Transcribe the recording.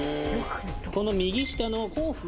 この右下の「甲府」